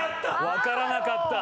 分からなかった！